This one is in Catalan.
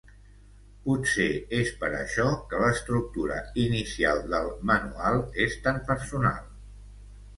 Potser és per això que l'estructura inicial del 'Manual' és tan personal.